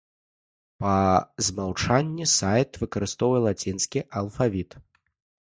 Па змаўчанні сайт выкарыстоўвае лацінскі алфавіт.